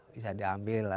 bisa diambil lah